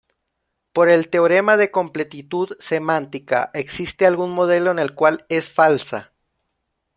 Por el teorema de completitud semántica, existe algún modelo en el cual es falsa.